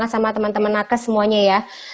sama teman teman nakes semuanya ya